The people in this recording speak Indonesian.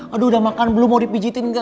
aduh udah makan belum mau dipijitin nggak